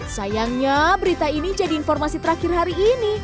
sayangnya berita ini jadi informasi terakhir hari ini